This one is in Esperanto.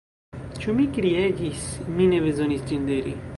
Ĉu mi kriegis, mi ne bezonas ĝin diri.